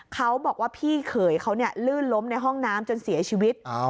เขาบอกว่าพี่เขยเขาลื่นล้มในห้องน้ำจนเสียชีวิต